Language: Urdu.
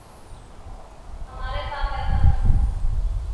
ہمارے ساتھ ایسا نہیں۔